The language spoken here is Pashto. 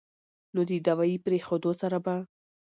نو د دوائي پرېښودو سره به